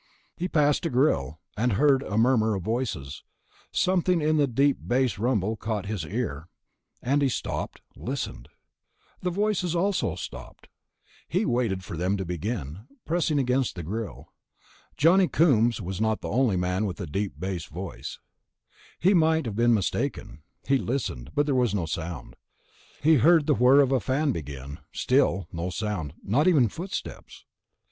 He passed a grill, and heard a murmur of voices; something in the deep bass rumble caught his ear, and he stopped, listened. The voices stopped also. He waited for them to begin, pressing against the grill. Johnny Coombs was not the only man with a deep bass voice, he might have been mistaken. He listened, but there was no sound. He heard the whir of a fan begin, still no sound, not even footsteps.